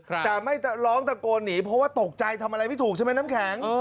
แต่ไม่ร้องตะโกนหนีเพราะว่าตกใจทำอะไรไม่ถูกใช่ไหมน้ำแข็ง